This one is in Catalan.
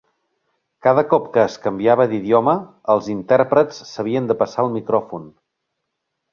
Cada cop que es canviava d'idioma, els intèrprets s'havien de passar el micròfon.